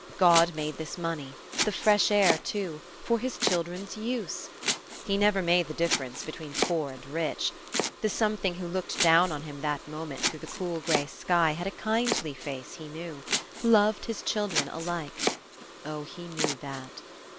God made this money the fresh air, too for his children's use. He never made the difference between poor and rich. The Something who looked down on him that moment through the cool gray sky had a kindly face, he knew, loved his children alike. Oh, he knew that!